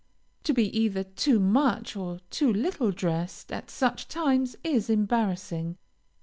To be either too much, or too little dressed at such times is embarrassing.